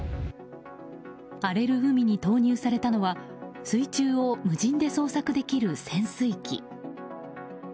荒れる海に投入されたのは水中を無人で捜索できる潜水機。